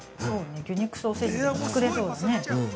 魚肉ソーセージでも作れそうですね。